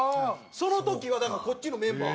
その時はだからこっちのメンバー。